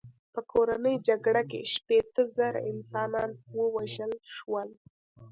په کورنۍ جګړه کې شپېته زره انسانان ووژل شول.